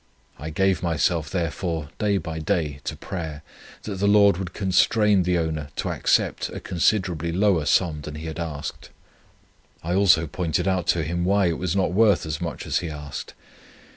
I gave myself, therefore, day by day to prayer, that the Lord would constrain the owner to accept a considerably lower sum than he had asked; I also pointed out to him why it was not worth as much as he asked.